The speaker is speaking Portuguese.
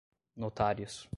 notários